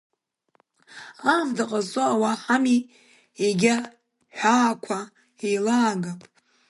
Аамҭа ҟазҵо ауаа ҳами, егьа ҳәаақәа еилаагап…